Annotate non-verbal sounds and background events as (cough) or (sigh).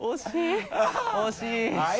惜しい (laughs)